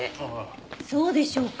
そうでしょうか？